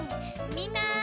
みんな！